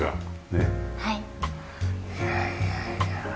いやいやいや。